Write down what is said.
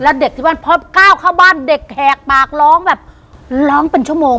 แล้วเด็กที่บ้านพอก้าวเข้าบ้านเด็กแหกปากร้องแบบร้องเป็นชั่วโมง